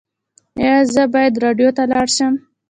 ایا زه باید راډیو ته لاړ شم؟